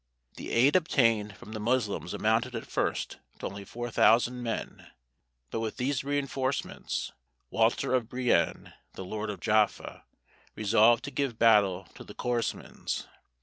The aid obtained from the Moslems amounted at first to only four thousand men, but with these reinforcements Walter of Brienne, the lord of Jaffa, resolved to give battle to the Korasmins.